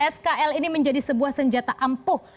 skl ini menjadi sebuah senjata ampuh